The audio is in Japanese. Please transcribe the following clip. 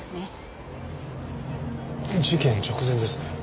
事件直前ですね。